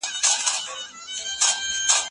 جبر د مطالعې ارزښت له منځه وړي.